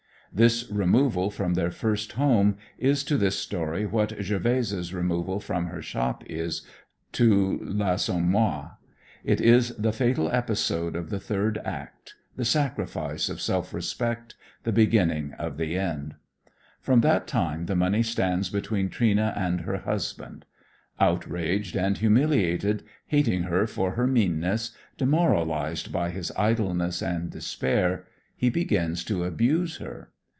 This removal from their first home is to this story what Gervaise's removal from her shop is to L'Assommoir; it is the fatal episode of the third act, the sacrifice of self respect, the beginning of the end. From that time the money stands between "Trina" and her husband. Outraged and humiliated, hating her for her meanness, demoralized by his idleness and despair, he begins to abuse her.